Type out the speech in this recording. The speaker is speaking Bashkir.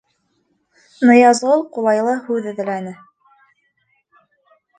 — Ныязғол ҡулайлы һүҙ эҙләне.